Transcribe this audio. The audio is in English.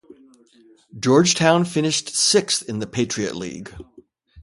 Georgetown finished sixth in the Patriot League.